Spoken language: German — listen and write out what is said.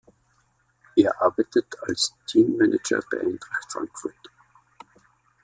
Er arbeitet als Teammanager bei Eintracht Frankfurt.